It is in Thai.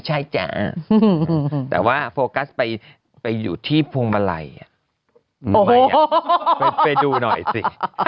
ใช่จ้าแต่ว่าโฟกัสไปอยู่ที่พวงมาลัยมวยไปดูหน่อยสิ